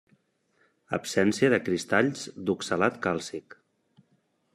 Absència de cristalls d'oxalat càlcic.